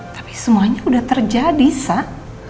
tapi semuanya udah terjadi san